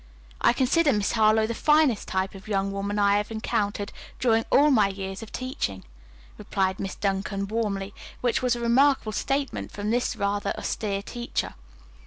I consider Miss Harlowe the finest type of young woman I have encountered during all my years of teaching," replied Miss Duncan warmly, which was a remarkable statement from this rather austere teacher.